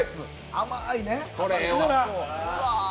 甘いね。